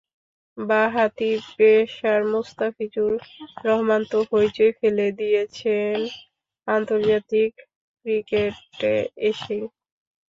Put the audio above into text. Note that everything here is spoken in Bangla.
বাঁহাতি পেসার মুস্তাফিজুর রহমান তো হইচই ফেলে দিয়েছেন আন্তর্জাতিক ক্রিকেটে এসেই।